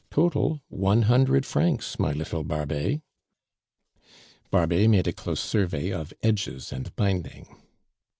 Total, one hundred francs, my little Barbet." Barbet made a close survey of edges and binding.